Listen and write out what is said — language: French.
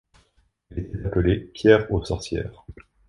Elle était appelée pierre aux sorcières.